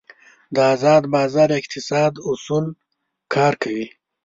د ازاد بازار اقتصاد اصول کار کوي.